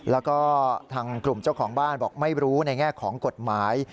แล้วก็ทางกลุ่มเจ้าของบ้านบอกไม่รู้ในแง่ของกฎหมาย